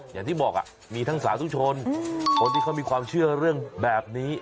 อย่างที่บอกมีทั้งสาธุชนคนที่เขามีความเชื่อเรื่องแบบนี้